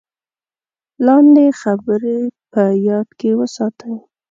لاندې خبرې په یاد کې وساتئ: